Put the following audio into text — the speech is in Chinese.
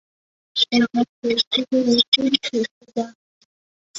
沈传芷出生于昆曲世家。